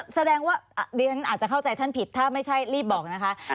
แสดงว่าดิฉันอาจจะเข้าใจท่านผิดถ้าไม่ใช่รีบบอกนะคะ